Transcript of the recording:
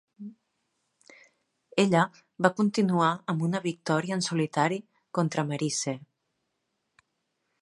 Ella va continuar amb una victòria en solitari contra Maryse.